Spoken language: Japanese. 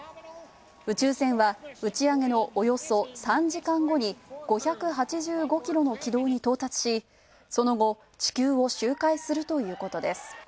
宇宙船は打ち上げのおよそ３時間後に５８５ｋｍの軌道に到達しその後、地球を周回するということです。